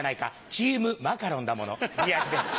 チームマカロンだもの宮治です。